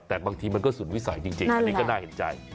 แต่บางทีมันก็สุดวิสัยจริงอันนี้ก็น่าเห็นใจ